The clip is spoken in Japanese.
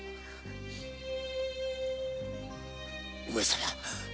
上様。